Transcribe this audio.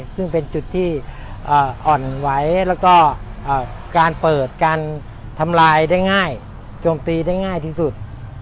ซึ่งเป็นจุดที่อ่อนไหวแล้วก็การเปิดการทำลายได้ง่ายโจมตีได้ง่ายที่สุด